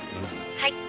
はい。